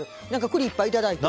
栗いっぱいいただいて。